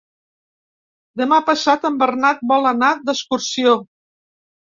Demà passat en Bernat vol anar d'excursió.